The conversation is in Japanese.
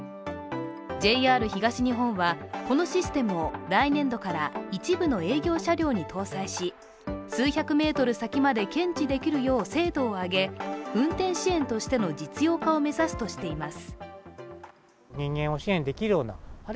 ＪＲ東日本は、このシステムを来年度から一部の営業車両に搭載し数百メートルまで検知できるよう精度を上げ、運転支援としての実用化を目指すとしています。